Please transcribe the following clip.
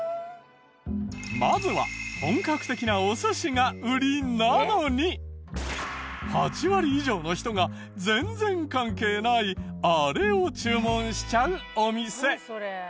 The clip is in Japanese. まずは本格的なお寿司が売りなのに８割以上の人が全然関係ないあれを注文しちゃうお店。